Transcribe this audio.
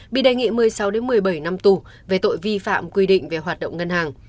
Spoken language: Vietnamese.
bị đề nghị một mươi sáu một mươi bảy năm tù về tội vi phạm quy định về hoạt động ngân hàng